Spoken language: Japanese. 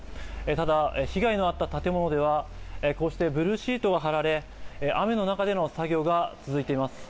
ただ、被害のあった建物ではこうしてブルーシートが張られ、雨の中での作業が続いています。